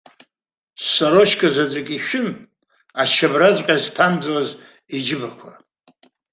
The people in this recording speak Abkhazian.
Сарочка заҵәык ишәын, ачабраҵәҟьа зҭамӡоз иџьыбақәа.